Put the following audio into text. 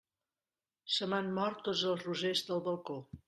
Se m'han mort tots els rosers del balcó.